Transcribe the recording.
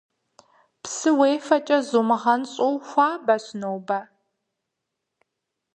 Псы уефэкӏэ зумыгъэнщӏыу хуабэщ нобэ.